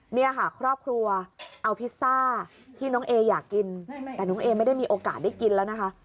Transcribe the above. เนี่ยค่ะครอบครัวเอาพิซซ่าที่น้องเออยากกินแต่น้องเอไม่ได้มีโอกาสได้กินแล้วนะคะ